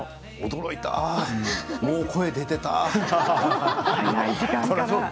驚いたもう声出てた。